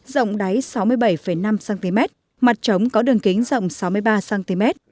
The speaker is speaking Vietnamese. rộng đáy sáu mươi bảy năm cm mặt trống có đường kính rộng sáu mươi ba cm